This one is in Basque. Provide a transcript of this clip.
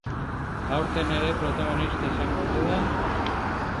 Aurten ere protagonista izango ote da?